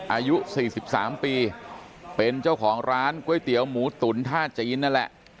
อายุ๔๓ปีเป็นเจ้าของร้านก๋วยเตี๋ยวหมูตุ๋นท่าจีนนั่นแหละ